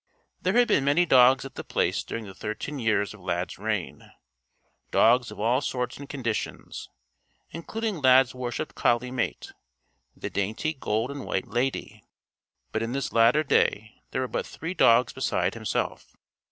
There had been many dogs at The Place during the thirteen years of Lad's reign dogs of all sorts and conditions, including Lad's worshiped collie mate, the dainty gold and white "Lady." But in this later day there were but three dogs beside himself.